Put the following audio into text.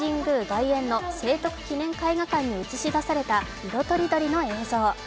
外苑の聖徳記念絵画館に映し出された色とりどりの映像。